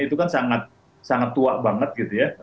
itu kan sangat sangat tua banget gitu ya